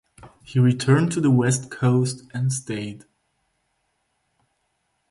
He returned to the west coast and stayed.